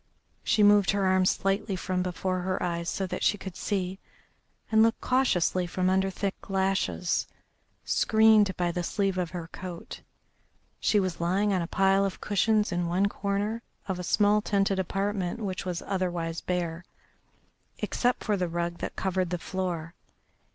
She moved her arm slightly from before her eyes so that she could see, and looked cautiously from under thick lashes, screened by the sleeve of her coat. She was lying on a pile of cushions in one corner of a small tented apartment which was otherwise bare, except for the rug that covered the floor.